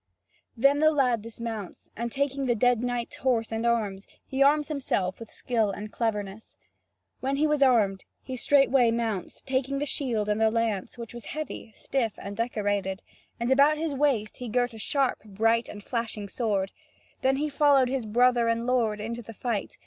Then the lad dismounts, and taking the dead knight's horse and arms, he arms himself with skill and cleverness. When he was armed, he straightway mounts, taking the shield and the lance, which was heavy, stiff, and decorated, and about his waist he girt a sharp, bright, and flashing sword. Then he followed his brother and lord into the fight.